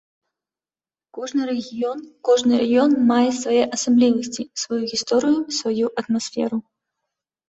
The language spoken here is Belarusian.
Кожны рэгіён, кожны раён мае свае асаблівасці, сваю гісторыю, сваю атмасферу.